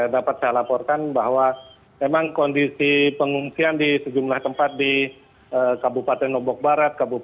dapat saya laporkan bahwa memang kondisi pengungsian di sejumlah tempat di kabupaten lombok barat